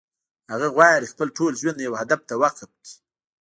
هغه غواړي خپل ټول ژوند يو هدف ته وقف کړي.